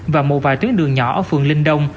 và một vài tuyến đường nhỏ ở phường linh đông